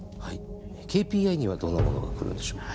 ＫＰＩにはどんなものが来るんでしょう？